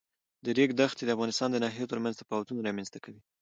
د ریګ دښتې د افغانستان د ناحیو ترمنځ تفاوتونه رامنځ ته کوي.